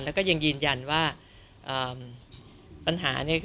แล้วก็ยังยืนยันว่าปัญหานี้